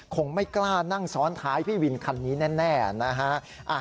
คงไม่กล้านั่งซ้อนท้ายพี่วินคันนี้แน่นะฮะ